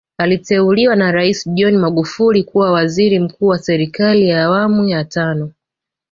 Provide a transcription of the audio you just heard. Aliteuliwa na Rais John Magufuli kuwa waziri mkuu wa serikali ya awamu ya tano